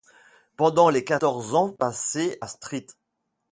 Pendant les quatorze ans passés à St.